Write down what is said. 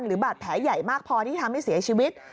หรือบาดแผลใหญ่มากพอที่ทำให้เสียชีวิต